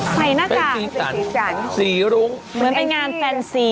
ใส่หน้ากากสีสันสีรุ้งเหมือนไปงานแฟนซี